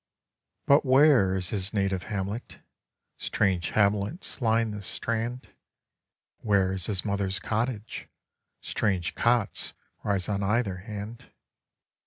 But where is his native hamlet? Strange hamlets line the strand. Where is his mother's cottage? Strange cots rise on either hand.